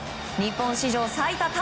日本史上最多